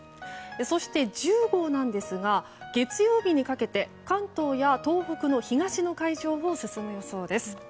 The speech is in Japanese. そして、１０号ですが月曜日にかけて関東や東北の東の海上を進む予想です。